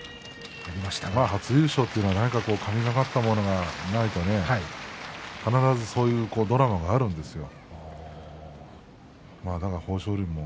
初優勝というのは神がかったというものがないとね何かドラマがあるんですよ。